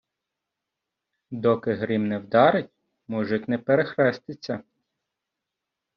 Доки грім не вдарить, мужик не перехреститься.